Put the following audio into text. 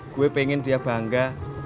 gue pengen dia bangga